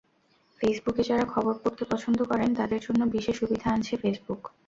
ফেসবুকে যাঁরা খবর পড়তে পছন্দ করেন, তাঁদের জন্য বিশেষ সুবিধা আনছে ফেসবুক।